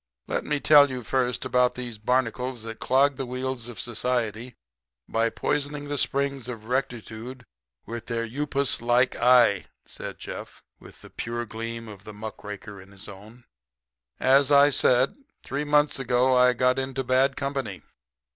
"Let me tell you first about these barnacles that clog the wheels of society by poisoning the springs of rectitude with their upas like eye," said Jeff, with the pure gleam of the muck raker in his own. "As I said, three months ago I got into bad company.